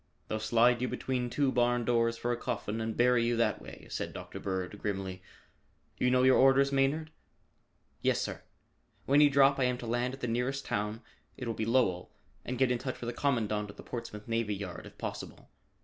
"They'll slide you between two barn doors for a coffin and bury you that way," said Dr. Bird grimly. "You know your orders, Maynard?" "Yes, sir. When you drop, I am to land at the nearest town it will be Lowell and get in touch with the Commandant of the Portsmouth Navy Yard if possible.